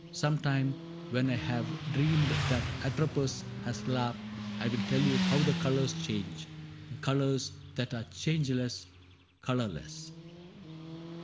Some time when I have dreamed that Atropos CAPTAIN CRAIG 31 Has laughed, I'll tell you how the colors change — The colors that are changeless, colorless."